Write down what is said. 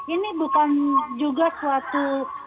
ini bukan juga suatu